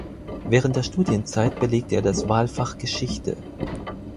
Während der Studienzeit belegte er das Wahlfach Geschichte.